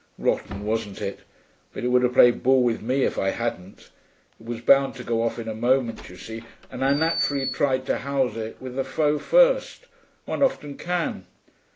'Rotten, wasn't it? But it would have played ball with me if I hadn't. It was bound to go off in a moment, you see, and I naturally tried to house it with the foe first; one often can.